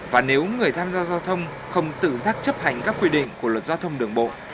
và nếu người tham gia giao thông không tự giác chấp hành các quy định của luật giao thông đường bộ